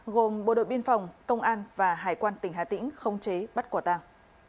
gồm bộ đội biên phòng công an và hải quan tỉnh hà tĩnh không chế bắt quả tàng